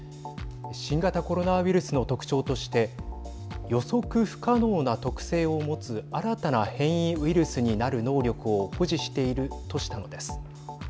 新型コロナウイルスの特徴として予測不可能な特性を持つ新たな変異ウイルスになる能力を保持しているとしたのです。